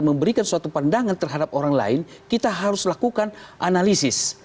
memberikan suatu pandangan terhadap orang lain kita harus lakukan analisis